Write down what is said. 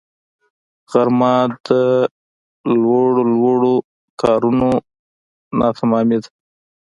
غرمه د لوړو لوړو کارونو ناتمامی ده